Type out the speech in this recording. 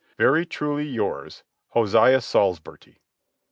"Very truly yours, "HOSEA SALSBURTY."